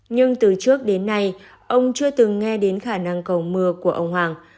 nhưng từ trước đến nay ông chưa từng nghe đến khả năng cầu mưa của ông hoàng